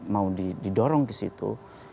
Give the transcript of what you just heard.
mau didorong ke situ